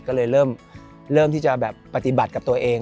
ก็เลยเริ่มที่จะแบบปฏิบัติกับตัวเอง